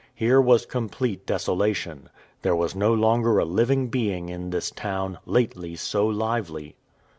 Here was complete desolation. There was no longer a living being in this town, lately so lively!